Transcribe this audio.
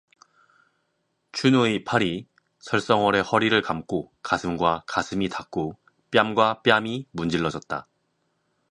춘우의 팔이 설성월의 허리를 감고 가슴과 가슴이 닿고 뺨과 뺨이 문질러졌다.